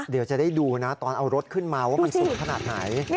เดี๋ยวจะได้ดูนะตอนเอารถขึ้นมาว่ามันสูงขนาดไหน